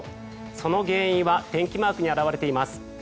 その原因は天気マークに表れています。